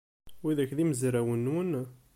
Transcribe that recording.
Widak d imezrawen-nwen?